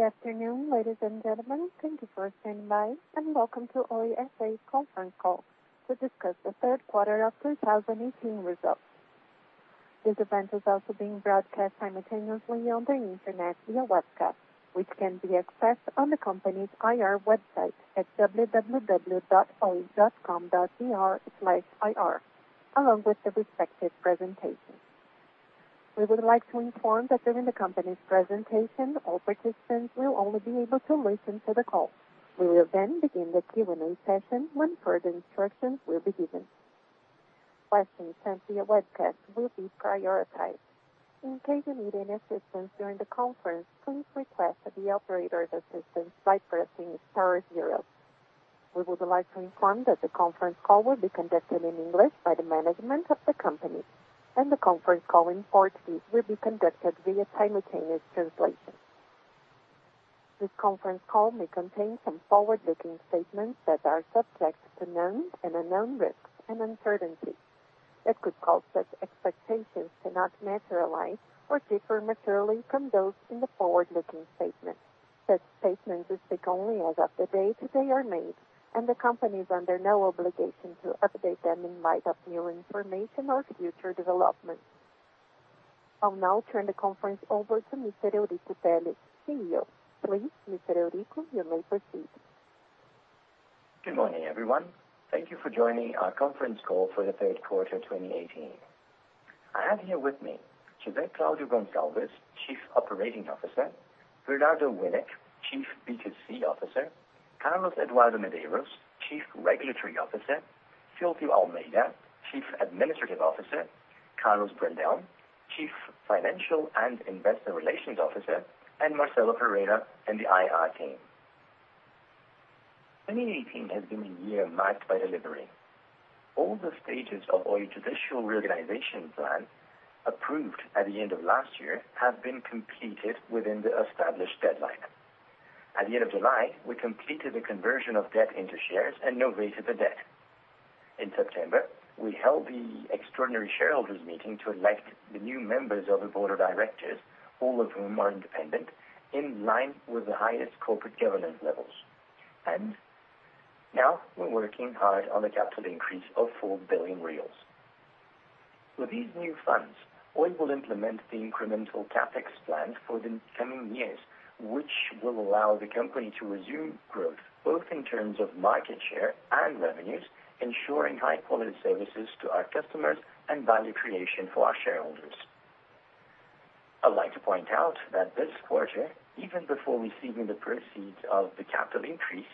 Good afternoon, ladies and gentlemen. Thank you for standing by and welcome to Oi S.A. conference call to discuss the third quarter of 2018 results. This event is also being broadcast simultaneously on the internet via webcast, which can be accessed on the company's IR website at www.oi.com.br/ir, along with the respective presentation. We would like to inform that during the company's presentation, all participants will only be able to listen to the call. We will then begin the Q&A session when further instructions will be given. Questions sent via webcast will be prioritized. In case you need any assistance during the conference, please request the operator's assistance by pressing star zero. We would like to inform that the conference call will be conducted in English by the management of the company, and the conference call in Portuguese will be conducted via simultaneous translation. This conference call may contain some forward-looking statements that are subject to known and unknown risks and uncertainties that could cause such expectations to not materialize or differ materially from those in the forward-looking statement. Such statements speak only as of the date they are made, and the company is under no obligation to update them in light of new information or future development. I'll now turn the conference over to Mr. Eurico Teles, CEO. Please, Mr. Eurico, you may proceed. Good morning, everyone. Thank you for joining our conference call for the third quarter 2018. I have here with me José Claudio Moreira Gonçalves, Chief Operating Officer, Bernardo Winik, Chief B2C Officer, Carlos Eduardo Medeiros, Chief Regulatory Officer, José Bento de Almeida, Chief Administrative Officer, Carlos Brandão, Chief Financial and Investor Relations Officer, and Marcelo Pereira and the IR team. 2018 has been a year marked by delivery. All the stages of Oi's judicial reorganization plan approved at the end of last year have been completed within the established deadline. At the end of July, we completed the conversion of debt into shares and novated the debt. In September, we held the extraordinary shareholders meeting to elect the new members of the board of directors, all of whom are independent, in line with the highest corporate governance levels. Now we're working hard on the capital increase of 4 billion reais. With these new funds, Oi will implement the incremental CapEx plans for the coming years, which will allow the company to resume growth both in terms of market share and revenues, ensuring high-quality services to our customers and value creation for our shareholders. I'd like to point out that this quarter, even before receiving the proceeds of the capital increase,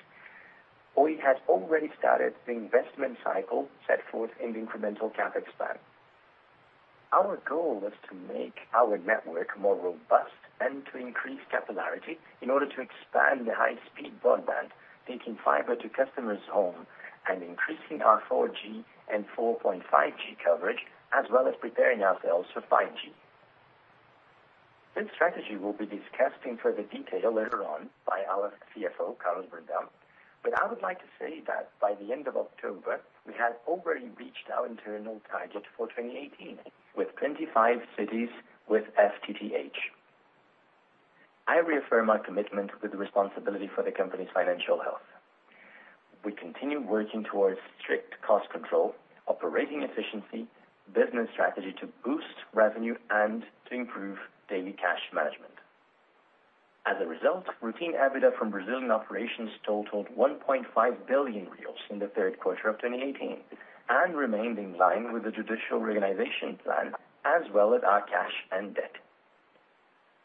Oi has already started the investment cycle set forth in the incremental CapEx plan. Our goal is to make our network more robust and to increase capillarity in order to expand the high-speed broadband, taking fiber to customers' home and increasing our 4G and 4.5G coverage, as well as preparing ourselves for 5G. This strategy will be discussed in further detail later on by our CFO, Carlos Brandão. I would like to say that by the end of October, we had already reached our internal target for 2018 with 25 cities with FTTH. I reaffirm my commitment with responsibility for the company's financial health. We continue working towards strict cost control, operating efficiency, business strategy to boost revenue and to improve daily cash management. As a result, routine EBITDA from Brazilian operations totaled $1.5 billion in the third quarter of 2018 and remained in line with the Judicial Reorganization Plan, as well as our cash and debt.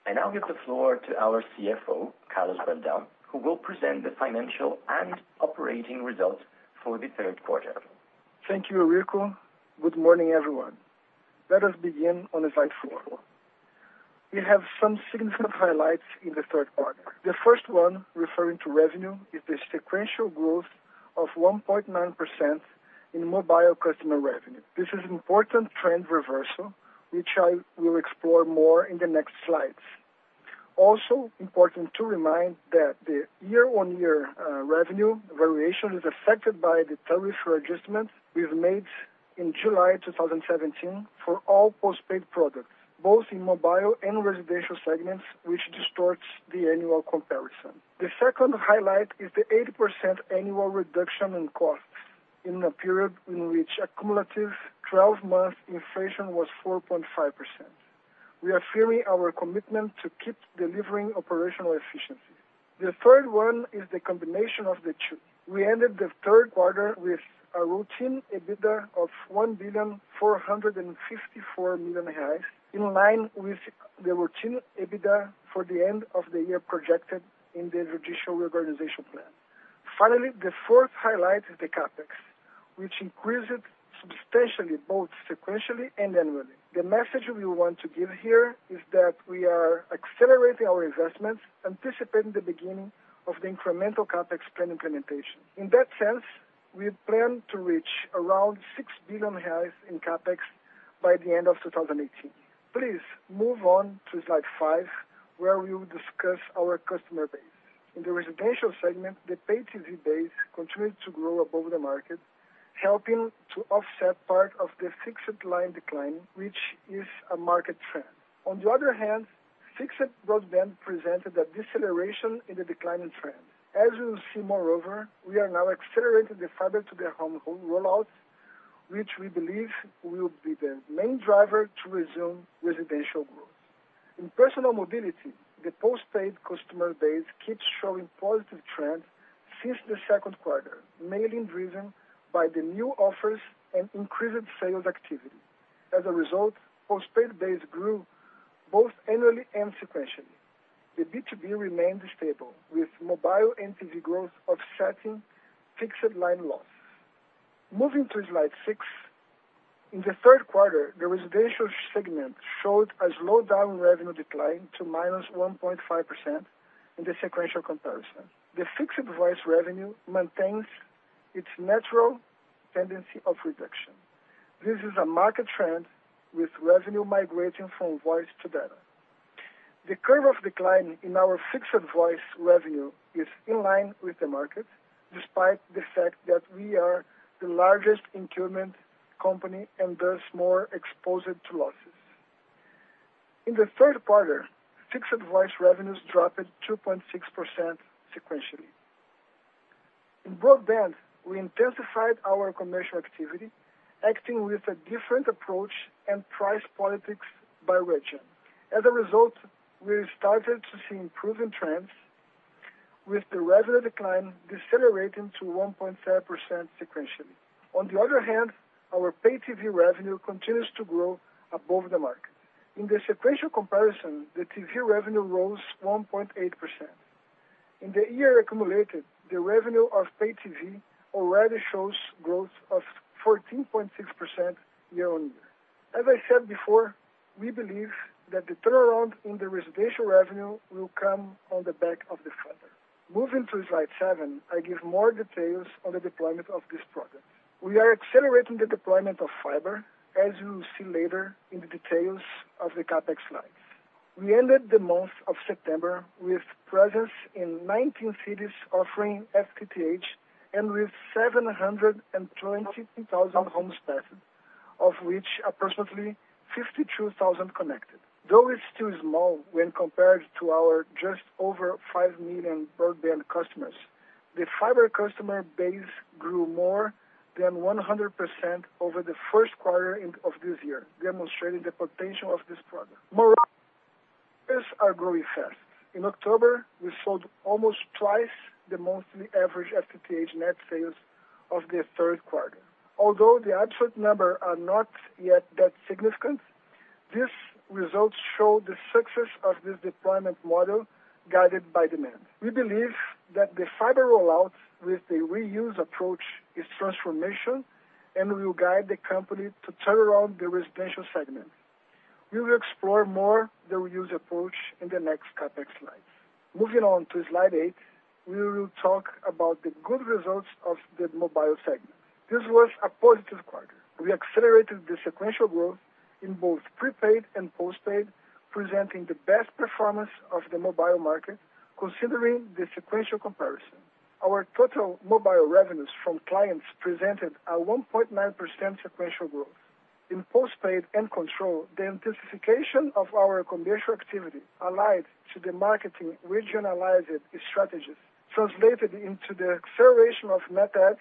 I now give the floor to our CFO, Carlos Brandão, who will present the financial and operating results for the third quarter. Thank you, Eurico. Good morning, everyone. Let us begin on slide four. We have some significant highlights in the third quarter. The first one, referring to revenue, is the sequential growth of 1.9% in mobile customer revenue. This is important trend reversal, which I will explore more in the next slides. Also important to remind that the year-on-year revenue variation is affected by the tariff readjustment we have made in July 2017 for all postpaid products, both in mobile and residential segments, which distorts the annual comparison. The second highlight is the 8% annual reduction in costs in a period in which a cumulative 12-month inflation was 4.5%. We are firm in our commitment to keep delivering operational efficiency. The third one is the combination of the two. We ended the third quarter with a routine EBITDA of 1.454 billion, in line with the routine EBITDA for the end of the year projected in the Judicial Reorganization Plan. Finally, the fourth highlight is the CapEx, which increased substantially, both sequentially and annually. The message we want to give here is that we are accelerating our investments, anticipating the beginning of the incremental CapEx plan implementation. In that sense, we plan to reach around 6 billion reais in CapEx by the end of 2018. Please move on to slide five, where we will discuss our customer base. In the residential segment, the pay-TV base continued to grow above the market. Helping to offset part of the fixed line decline, which is a market trend. On the other hand, fixed broadband presented a deceleration in the declining trend. As you will see, moreover, we are now accelerating the fiber-to-the-home rollout, which we believe will be the main driver to resume residential growth. In personal mobility, the postpaid customer base keeps showing positive trends since the second quarter, mainly driven by the new offers and increased sales activity. As a result, postpaid base grew both annually and sequentially. The B2B remained stable, with mobile M2M growth offsetting fixed line loss. Moving to slide six. In the third quarter, the residential segment showed a slowdown revenue decline to -1.5% in the sequential comparison. The fixed-voice revenue maintains its natural tendency of reduction. This is a market trend with revenue migrating from voice to data. The curve of decline in our fixed voice revenue is in line with the market, despite the fact that we are the largest incumbent company and thus more exposed to losses. In the third quarter, fixed-voice revenues dropped 2.6% sequentially. In broadband, we intensified our commercial activity, acting with a different approach and price policies by region. As a result, we started to see improving trends with the revenue decline decelerating to 1.7% sequentially. On the other hand, our pay-TV revenue continues to grow above the market. In the sequential comparison, the TV revenue rose 1.8%. In the year-accumulated, the revenue of pay-TV already shows growth of 14.6% year-on-year. As I said before, we believe that the turnaround in the residential revenue will come on the back of the fiber. Moving to slide seven, I give more details on the deployment of this product. We are accelerating the deployment of fiber, as you will see later in the details of the CapEx slides. We ended the month of September with presence in 19 cities offering FTTH and with 720,000 homes passed, of which approximately 52,000 connected. Though it is still small when compared to our just over five million broadband customers, the fiber customer base grew more than 100% over the first quarter of this year, demonstrating the potential of this product. Moreover, we are growing fast. In October, we sold almost twice the monthly average FTTH net sales of the third quarter. Although the absolute numbers are not yet that significant, these results show the success of this deployment model guided by demand. We believe that the fiber rollout with the reuse approach is transformative and will guide the company to turn around the residential segment. We will explore more the reuse approach in the next CapEx slides. Moving on to slide eight, we will talk about the good results of the mobile segment. This was a positive quarter. We accelerated the sequential growth in both prepaid and postpaid, presenting the best performance of the mobile market considering the sequential comparison. Our total mobile revenues from clients presented a 1.9% sequential growth. In postpaid and control, the intensification of our commercial activity allied to the marketing regionalized strategies translated into the acceleration of net adds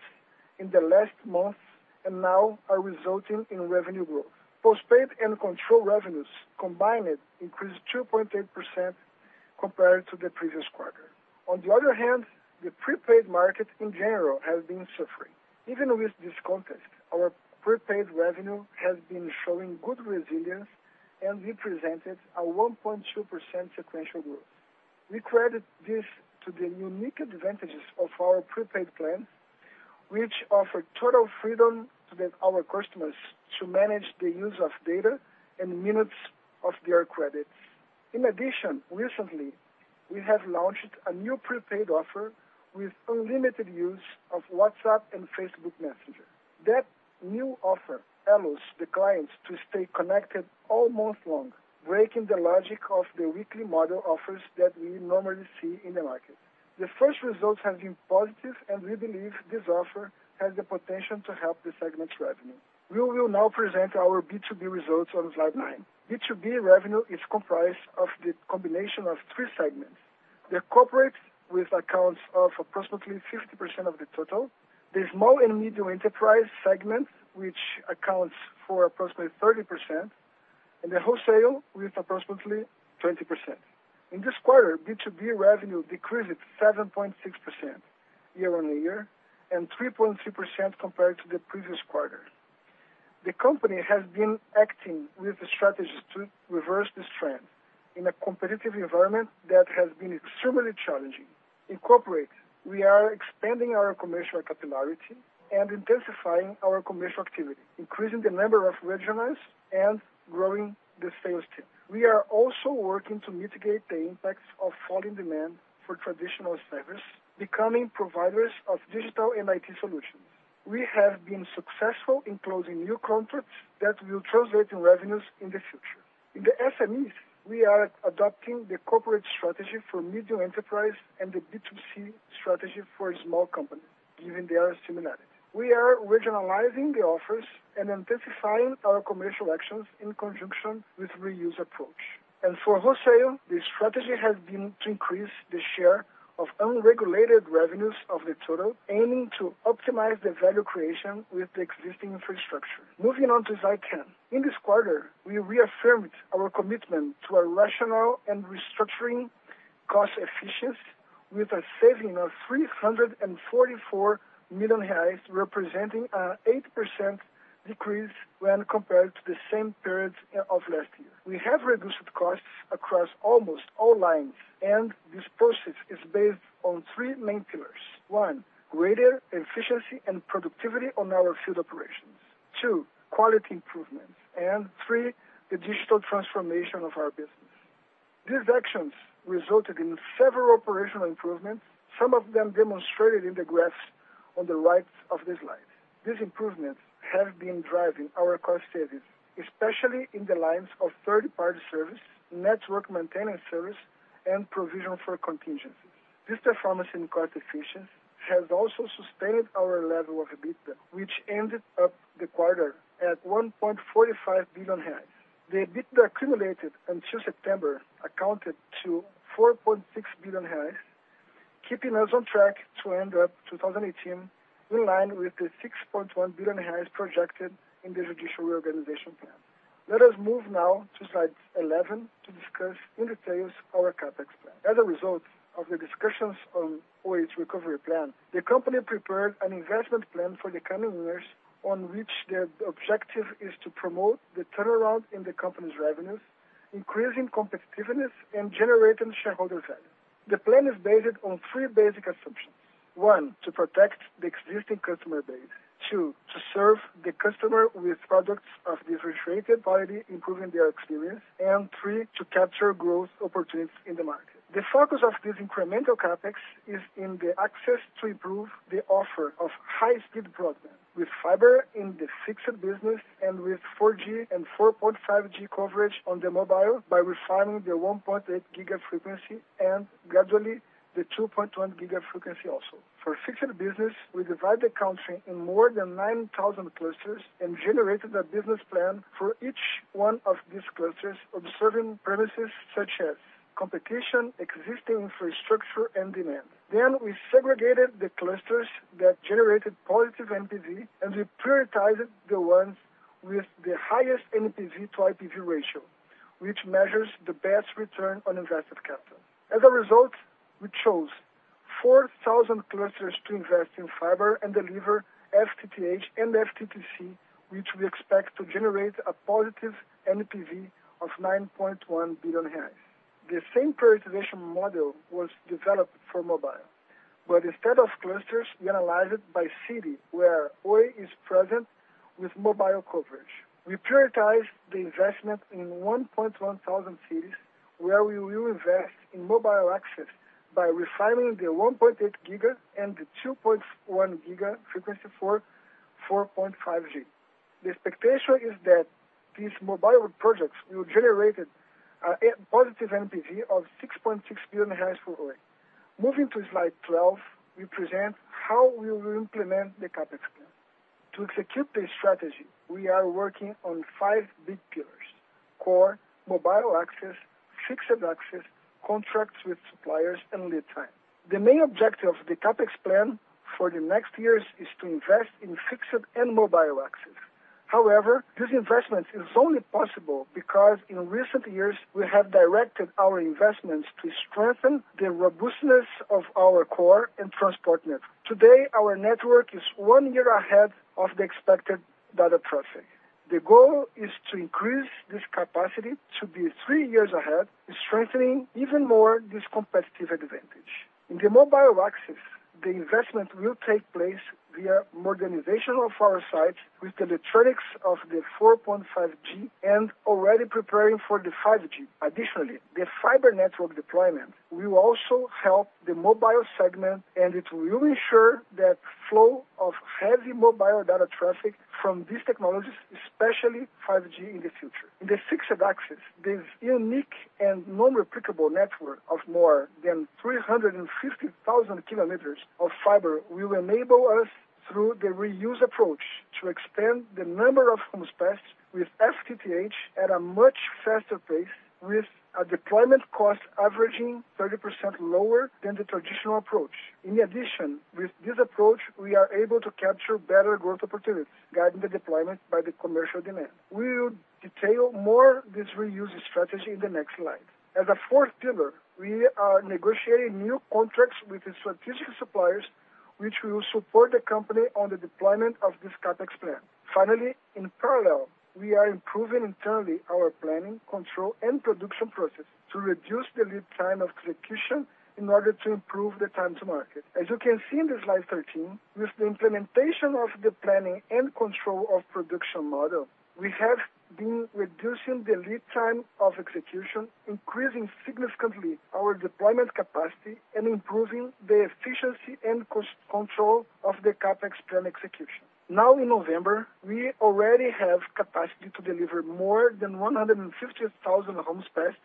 in the last months and now are resulting in revenue growth. Postpaid and control revenues combined increased 2.8% compared to the previous quarter. On the other hand, the prepaid market, in general, has been suffering. Even with this context, our prepaid revenue has been showing good resilience and represented a 1.2% sequential growth. We credit this to the unique advantages of our prepaid plan, which offer total freedom to get our customers to manage the use of data and minutes of their credits. In addition, recently, we have launched a new prepaid offer with unlimited use of WhatsApp and Facebook Messenger. That new offer allows the clients to stay connected all month long, breaking the logic of the weekly model offers that we normally see in the market. The first results have been positive, and we believe this offer has the potential to help the segment's revenue. We will now present our B2B results on slide nine. B2B revenue is comprised of the combination of three segments. The corporate, which accounts for approximately 50% of the total, the small and medium enterprise segment, which accounts for approximately 30%, and the wholesale with approximately 20%. In this quarter, B2B revenue decreased 7.6% year-on-year and 3.3% compared to the previous quarter. The company has been acting with the strategies to reverse this trend in a competitive environment that has been extremely challenging. In corporate, we are expanding our commercial capillarity and intensifying our commercial activity, increasing the number of regionals and growing the sales team. We are also working to mitigate the impacts of falling demand for traditional service, becoming providers of digital and IT solutions. We have been successful in closing new contracts that will translate in revenues in the future. In the SMEs, we are adopting the corporate strategy for medium enterprise and the B2C strategy for a small company, given they are similar. We are regionalizing the offers and intensifying our commercial actions in conjunction with reuse approach. For wholesale, the strategy has been to increase the share of unregulated revenues of the total, aiming to optimize the value creation with the existing infrastructure. Moving on to slide 10. In this quarter, we reaffirmed our commitment to a rational and restructuring cost efficiency with a saving of 344 million reais, representing an 8% decrease when compared to the same period of last year. We have reduced costs across almost all lines, and this process is based on three main pillars. One, greater efficiency and productivity on our field operations. Two, quality improvements. Three, the digital transformation of our business. These actions resulted in several operational improvements, some of them demonstrated in the graphs on the right of this slide. These improvements have been driving our cost savings, especially in the lines of third-party service, network maintenance service, and provision for contingencies. This performance in cost efficiency has also sustained our level of EBITDA, which ended up the quarter at 1.45 billion reais. The EBITDA accumulated until September accounted to 4.6 billion reais, keeping us on track to end up 2018 in line with the 6.1 billion projected in the Judicial Reorganization plan. Let us move now to slide 11 to discuss in details our CapEx plan. As a result of the discussions on Oi's recovery plan, the company prepared an investment plan for the coming years, on which the objective is to promote the turnaround in the company's revenues, increasing competitiveness, and generating shareholder value. The plan is based on three basic assumptions. One, to protect the existing customer base. Two, to serve the customer with products of differentiated quality, improving their experience. Three, to capture growth opportunities in the market. The focus of this incremental CapEx is in the access to improve the offer of high-speed broadband with fiber in the fixed business and with 4G and 4.5G coverage on the mobile by refining the 1.8 giga frequency and gradually, the 2.1 giga frequency also. For fixed business, we divide the country in more than 9,000 clusters and generated a business plan for each one of these clusters, observing premises such as competition, existing infrastructure, and demand. We segregated the clusters that generated positive NPV, and we prioritized the ones with the highest NPV to IRR ratio, which measures the best return on invested capital. As a result, we chose 4,000 clusters to invest in fiber and deliver FTTH and FTTC, which we expect to generate a positive NPV of 9.1 billion reais. The same prioritization model was developed for mobile. Instead of clusters, we analyzed by city where Oi is present with mobile coverage. We prioritized the investment in 1,100 cities where we will invest in mobile access by refining the 1.8 giga and the 2.1 giga frequency for 4.5G. The expectation is that these mobile projects will generate a positive NPV of 6.6 billion for Oi. Moving to slide 12, we present how we will implement the CapEx plan. To execute this strategy, we are working on five big pillars: core, mobile access, fixed access, contracts with suppliers, and lead time. The main objective of the CapEx plan for the next years is to invest in fixed and mobile access. This investment is only possible because in recent years, we have directed our investments to strengthen the robustness of our core and transport network. Today, our network is one year ahead of the expected data traffic. The goal is to increase this capacity to be three years ahead, strengthening even more this competitive advantage. In the mobile access, the investment will take place via modernization of our sites with electronics of the 4.5G and already preparing for the 5G. Additionally, the fiber network deployment will also help the mobile segment, and it will ensure that flow of heavy mobile data traffic from these technologies, especially 5G in the future. In the fixed access, this unique and non-replicable network of more than 350,000 kilometers of fiber will enable us, through the reuse approach, to expand the number of homes passed with FTTH at a much faster pace with a deployment cost averaging 30% lower than the traditional approach. In addition, with this approach, we are able to capture better growth opportunities, guiding the deployment by the commercial demand. We will detail more this reuse strategy in the next slide. As a fourth pillar, we are negotiating new contracts with the strategic suppliers, which will support the company on the deployment of this CapEx plan. Finally, in parallel, we are improving internally our planning, control, and production process to reduce the lead time of execution in order to improve the time to market. As you can see in slide 13, with the implementation of the planning and control of production model, we have been reducing the lead time of execution, increasing significantly our deployment capacity, and improving the efficiency and cost control of the CapEx plan execution. Now in November, we already have capacity to deliver more than 150,000 homes passed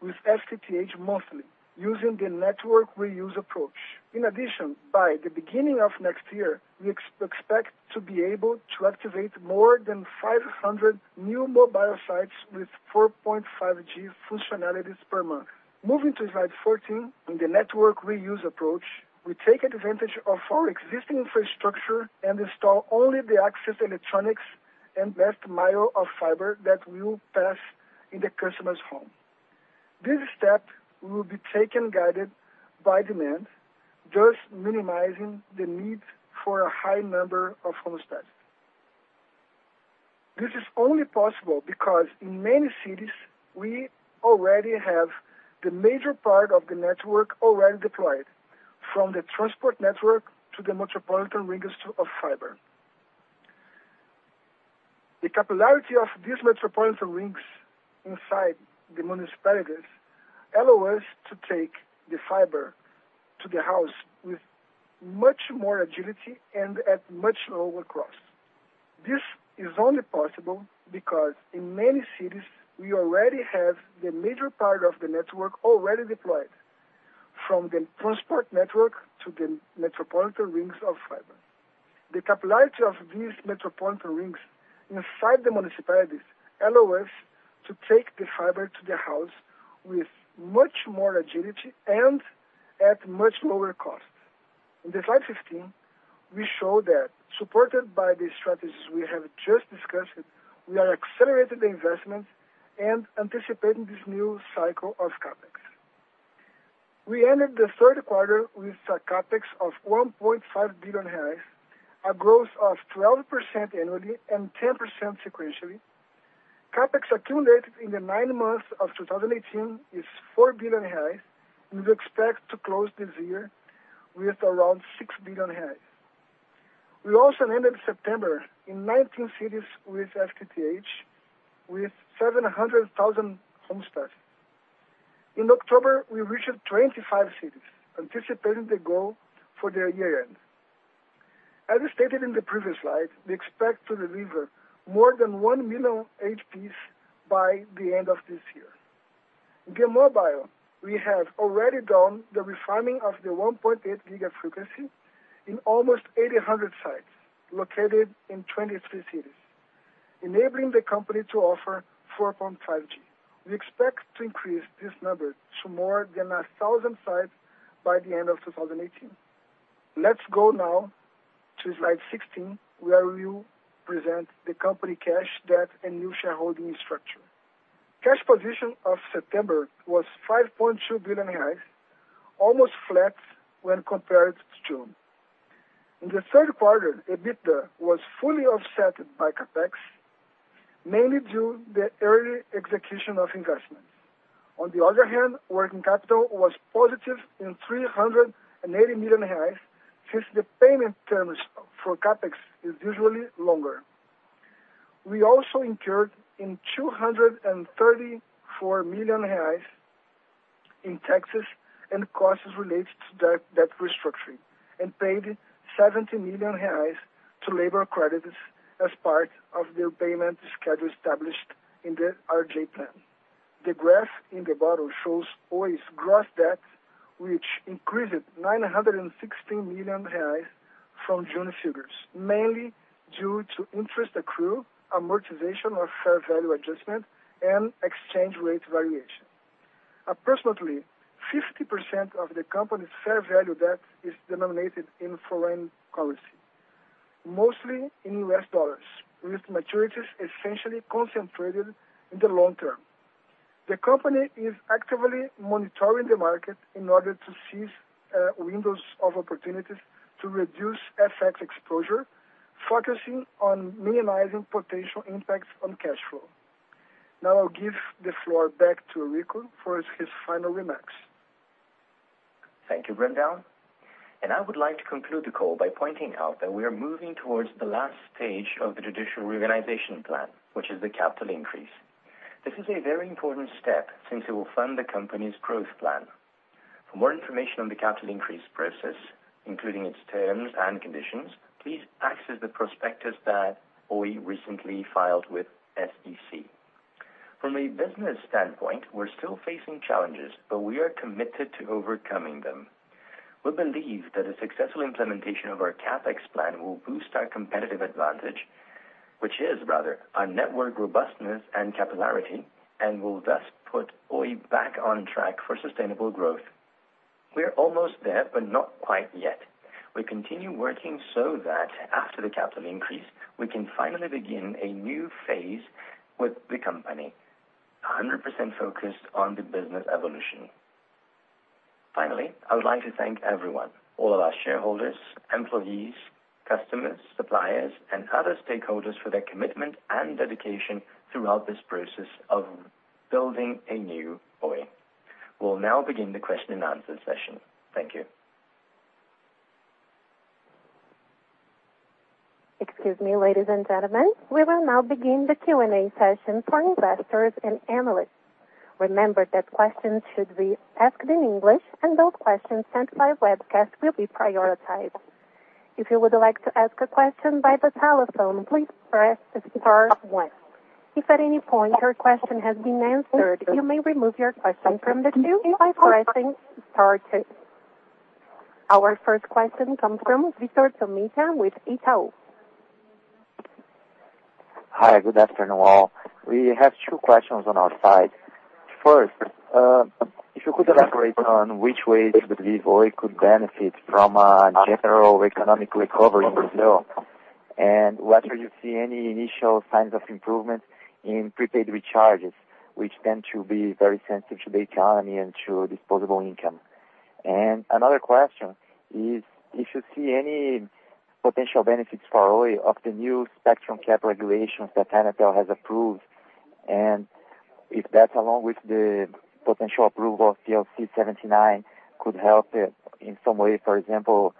with FTTH monthly using the network reuse approach. In addition, by the beginning of next year, we expect to be able to activate more than 500 new mobile sites with 4.5G functionalities per month. Moving to slide 14, in the network reuse approach, we take advantage of our existing infrastructure and install only the access electronics and last mile of fiber that will pass in the customer's home. This step will be taken guided by demand, thus minimizing the need for a high number of homes passed. This is only possible because in many cities, we already have the major part of the network already deployed, from the transport network to the metropolitan rings of fiber. The capillarity of these metropolitan rings inside the municipalities allow us to take the fiber to the house with much more agility and at much lower cost. This is only possible because in many cities, we already have the major part of the network already deployed, from the transport network to the metropolitan rings of fiber. The capillarity of these metropolitan rings inside the municipalities allow us to take the fiber to the house with much more agility and at much lower cost. In slide 15, we show that supported by the strategies we have just discussed, we are accelerating the investment and anticipating this new cycle of CapEx. We ended the third quarter with a CapEx of 1.5 billion reais, a growth of 12% annually and 10% sequentially. CapEx accumulated in the nine months of 2018 is 4 billion reais. We expect to close this year with around 6 billion reais. We also ended September in 19 cities with FTTH, with 700,000 homes passed. In October, we reached 25 cities, anticipating the goal for the year-end. As stated in the previous slide, we expect to deliver more than 1 million HPs by the end of this year. In mobile, we have already done the refining of the 1.8 giga frequency in almost 800 sites located in 23 cities, enabling the company to offer 4.5G. We expect to increase this number to more than 1,000 sites by the end of 2018. Let's go now to slide 16, where we will present the company cash debt and new shareholding structure. Cash position of September was 5.2 billion reais, almost flat when compared to June. In the third quarter, EBITDA was fully offset by CapEx, mainly due to the early execution of investments. On the other hand, working capital was positive in 380 million reais since the payment terms for CapEx is usually longer. We also incurred in 234 million reais in taxes and costs related to debt restructuring, and paid 70 million reais to labor creditors as part of their payment schedule established in the RJ plan. The graph in the bottom shows Oi's gross debt, which increased 960 million reais from June figures, mainly due to interest accrual, amortization of fair value adjustment, and exchange rate variation. Approximately 50% of the company's fair value debt is denominated in foreign currency, mostly in US dollars, with maturities essentially concentrated in the long term. The company is actively monitoring the market in order to seize windows of opportunities to reduce FX exposure, focusing on minimizing potential impacts on cash flow. I'll give the floor back to Eurico for his final remarks. Thank you, Brandão. I would like to conclude the call by pointing out that we are moving towards the last stage of the judicial reorganization plan, which is the capital increase. This is a very important step since it will fund the company's growth plan. For more information on the capital increase process, including its terms and conditions, please access the prospectus that Oi recently filed with CVM. From a business standpoint, we're still facing challenges, we are committed to overcoming them. We believe that a successful implementation of our CapEx plan will boost our competitive advantage, which is rather our network robustness and capillarity, will thus put Oi back on track for sustainable growth. We are almost there, not quite yet. We continue working so that after the capital increase, we can finally begin a new phase with the company, 100% focused on the business evolution. Finally, I would like to thank everyone, all of our shareholders, employees, customers, suppliers, and other stakeholders for their commitment and dedication throughout this process of building a new Oi. We will now begin the question and answer session. Thank you. Excuse me, ladies and gentlemen. We will now begin the Q&A session for investors and analysts. Remember that questions should be asked in English, and those questions sent by webcast will be prioritized. If you would like to ask a question by the telephone, please press star one. If at any point your question has been answered, you may remove your question from the queue by pressing star two. Our first question comes from Victor Tomita with Itaú. Hi, good afternoon, all. We have two questions on our side. First, if you could elaborate on which way you believe Oi could benefit from a general economic recovery in Brazil, and whether you see any initial signs of improvement in prepaid recharges, which tend to be very sensitive to the economy and to disposable income. Another question is, if you see any potential benefits for Oi of the new spectrum cap regulations that Anatel has approved, and if that, along with the potential approval of PLC 79, could help in some way, for example,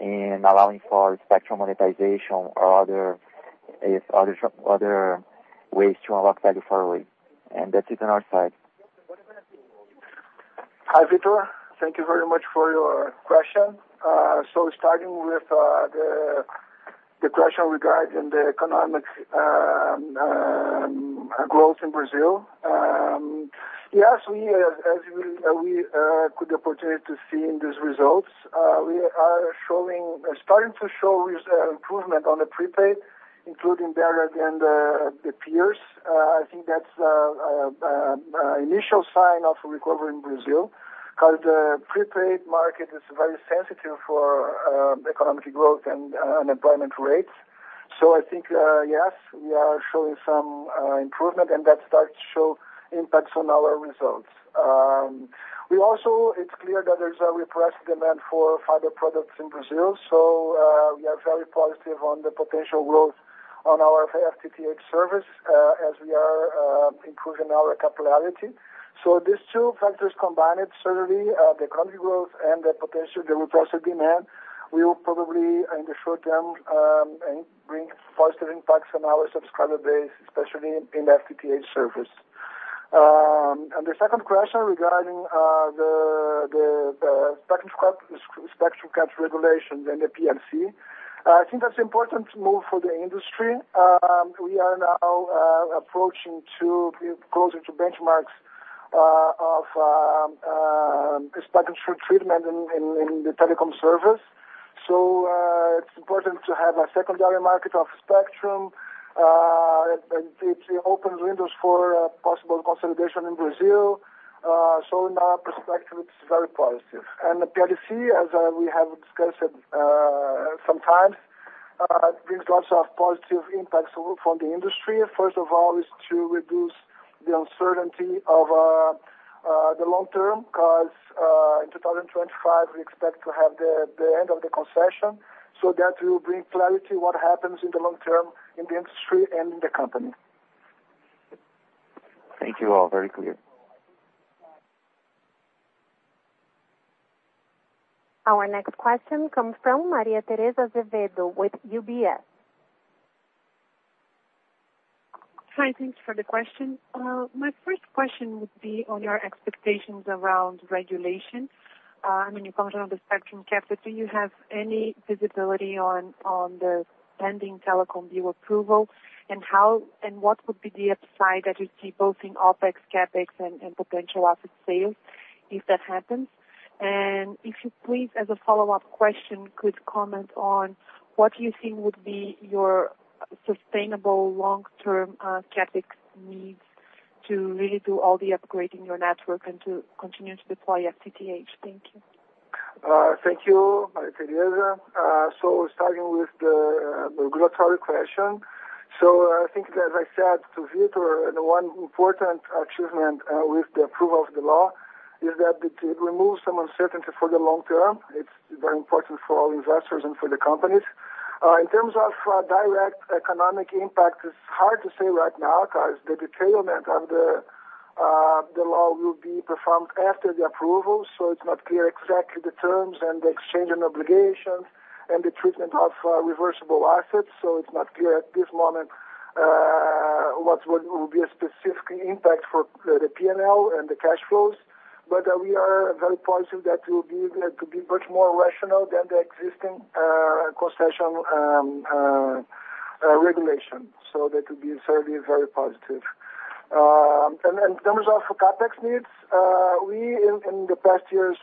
in allowing for spectrum monetization or other ways to unlock value for Oi. That's it on our side. Hi, Victor. Thank you very much for your question. Starting with the question regarding the economic growth in Brazil. Yes, as we got the opportunity to see in these results, we are starting to show improvement on the prepaid, including better than the peers. I think that's an initial sign of recovery in Brazil, because the prepaid market is very sensitive for economic growth and unemployment rates. I think, yes, we are showing some improvement, and that starts to show impacts on our results. Also, it's clear that there's a repressed demand for other products in Brazil. We are very positive on the potential growth of our FTTH service as we are improving our capillarity. These two factors combined, certainly the economy growth and the potential repressed demand, will probably, in the short term, bring positive impacts on our subscriber base, especially in FTTH service. The second question regarding the spectrum cap regulations and the PLC. I think that's important move for the industry. We are now approaching closer to benchmarks of a spectrum treatment in the telecom service. It's important to have a secondary market of spectrum. It opens windows for possible consolidation in Brazil. In our perspective, it's very positive. The PLC, as we have discussed sometimes, brings lots of positive impacts from the industry. First of all, is to reduce the uncertainty of the long term, because in 2025, we expect to have the end of the concession. That will bring clarity what happens in the long term in the industry and in the company. Thank you all. Very clear. Our next question comes from Maria Teresa Azevedo with UBS. Hi, thanks for the question. My first question would be on your expectations around regulation. When you comment on the spectrum cap, do you have any visibility on the pending telecom bill approval? What would be the upside that you see both in OPEX, CapEx, and potential asset sales if that happens? If you please, as a follow-up question, could comment on what you think would be your sustainable long-term CapEx needs to really do all the upgrade in your network and to continue to deploy FTTH. Thank you. Thank you, Maria Teresa. Starting with the regulatory question. I think as I said to Victor, the one important achievement with the approval of the law is that it removes some uncertainty for the long term. It's very important for all investors and for the companies. In terms of direct economic impact, it's hard to say right now, because the detail of the law will be performed after the approval. It's not clear exactly the terms and the exchange and obligations and the treatment of reversible assets. It's not clear at this moment what would be a specific impact for the P&L and the cash flows. We are very positive that we will be able to be much more rational than the existing concession regulation. That would certainly be very positive. In terms of CapEx needs, in the past years,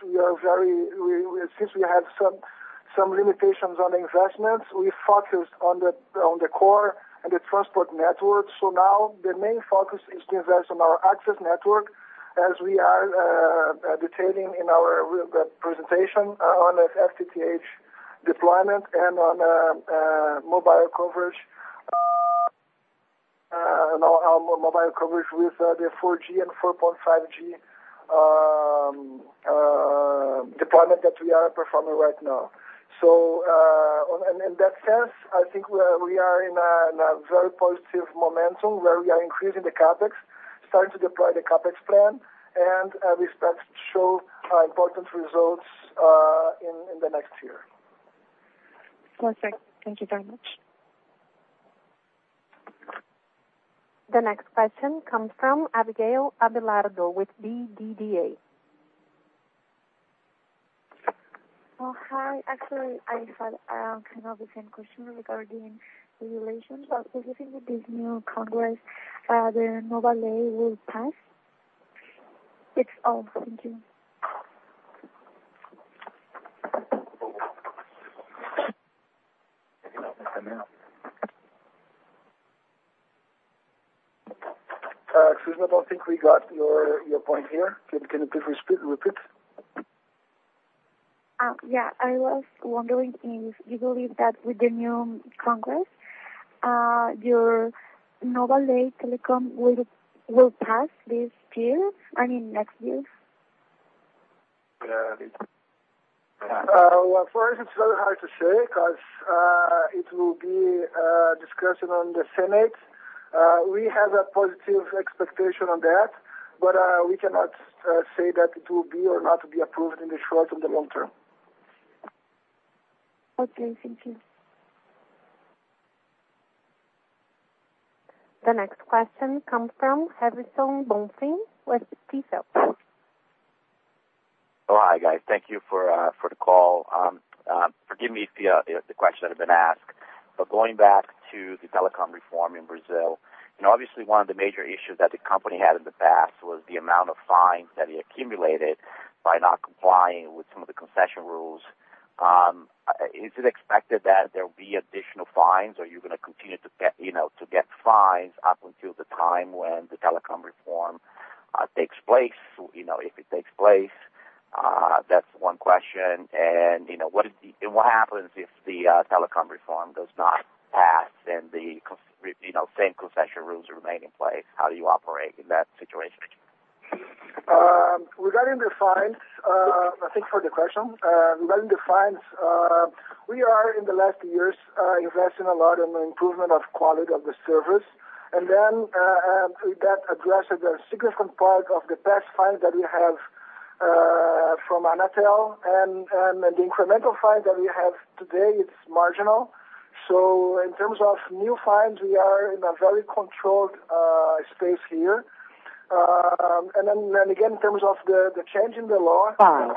since we had some limitations on investments, we focused on the core and the transport network. Now the main focus is to invest on our access network as we are detailing in our presentation on FTTH deployment and on mobile coverage with the 4G and 4.5G deployment that we are performing right now. In that sense, I think we are in a very positive momentum where we are increasing the CapEx, starting to deploy the CapEx plan, and we expect to show important results in the next year. Perfect. Thank you very much. The next question comes from Susana Salaru with Itaú BBA. Oh, hi. Actually, I had the same question regarding regulations. Do you think with this new Congress, the Nova Lei will pass? That's all. Thank you. Susana, I don't think we got your point here. Can you please repeat? Yeah. I was wondering if you believe that with the new Congress, your Nova Lei telecom will pass this year? I mean, next year. Well, for us, it's very hard to say because it will be a discussion on the Senate. We have a positive expectation on that, but we cannot say that it will be or not be approved in the short or the long-term. Okay, thank you. The next question comes from Harrison Bonson with T. Rowe. Hi, guys. Thank you for the call. Forgive me if the question had been asked, but going back to the telecom reform in Brazil, and obviously one of the major issues that the company had in the past was the amount of fines that you accumulated by not complying with some of the concession rules. Is it expected that there will be additional fines, or are you going to continue to get fines up until the time when the telecom reform takes place, if it takes place? That's one question. What happens if the telecom reform does not pass and the same concession rules remain in place? How do you operate in that situation? Regarding the fines, thank you for the question. Regarding the fines, we are, in the last years, investing a lot in the improvement of quality of the service. That addresses a significant part of the past fines that we have from Anatel, and the incremental fine that we have today is marginal. In terms of new fines, we are in a very controlled space here. In terms of the change in the law, as I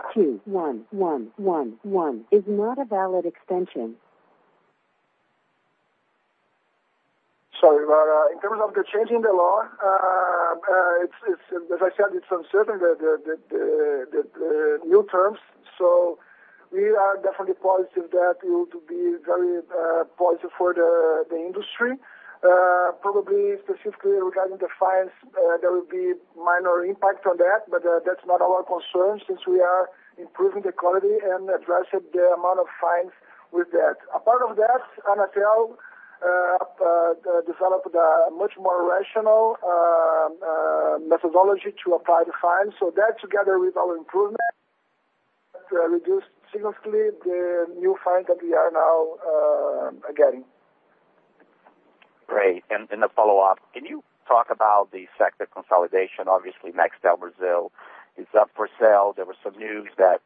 said, it's uncertain, the new terms. We are definitely positive that it will be very positive for the industry. Probably specifically regarding the fines, there will be minor impact on that, but that's not our concern since we are improving the quality and addressing the amount of fines with that. Apart from that, Anatel developed a much more rational methodology to apply the fines. That together with our improvement, reduced significantly the new fine that we are now getting. Great. A follow-up, can you talk about the sector consolidation? Obviously, Nextel Brazil is up for sale. There was some news that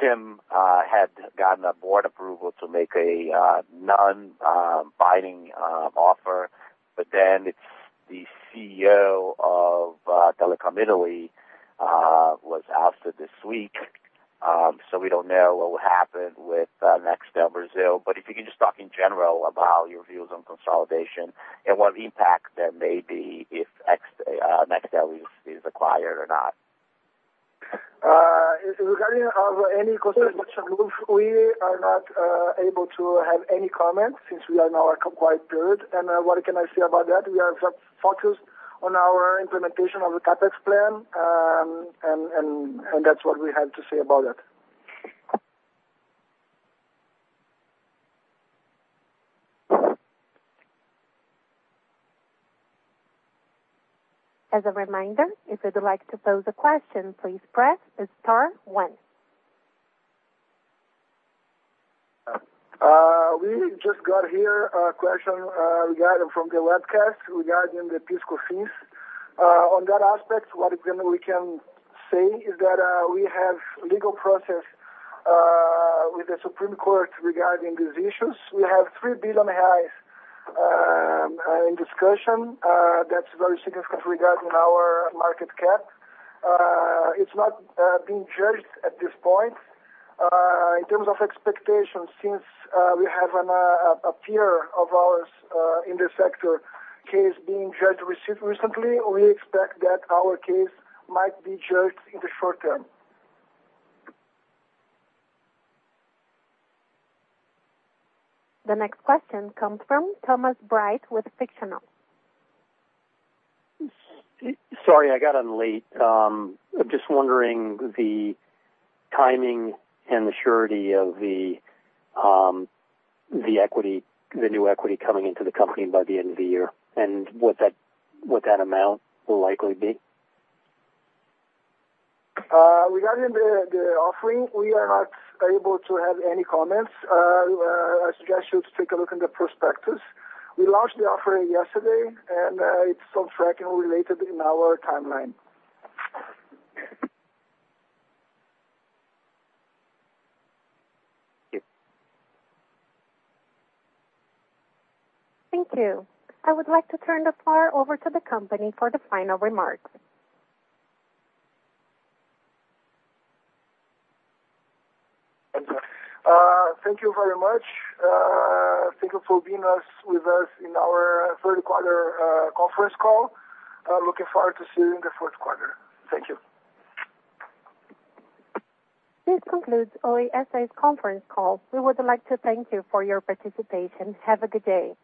TIM had gotten a board approval to make a non-binding offer. The CEO of Telecom Italia was ousted this week. We don't know what will happen with Nextel Brazil. If you can just talk in general about your views on consolidation and what impact there may be if Nextel is acquired or not. Regarding any consolidation move, we are not able to have any comments since we are now in a quiet period. What can I say about that? We are focused on our implementation of the CapEx plan, that's what we have to say about it. As a reminder, if you'd like to pose a question, please press star one. We just got here a question regarding from the webcast regarding the Fistel fees. On that aspect, what we can say is that we have legal process with the Supreme Court regarding these issues. We have 3 billion reais in discussion. That's very significant regarding our market cap. It's not being judged at this point. In terms of expectations, since we have a peer of ours in the sector case being judged recently, we expect that our case might be judged in the short-term. The next question comes from Thomas Bright with Fiction Novel. Sorry, I got on late. I'm just wondering the timing and the surety of the new equity coming into the company by the end of the year, and what that amount will likely be. Regarding the offering, we are not able to have any comments. I suggest you to take a look in the prospectus. It's on track and related in our timeline. Thank you. Thank you. I would like to turn the floor over to the company for the final remarks. Thank you for being with us in our third quarter conference call. Looking forward to seeing you in the fourth quarter. Thank you. This concludes Oi S.A.'s conference call. We would like to thank you for your participation. Have a good day.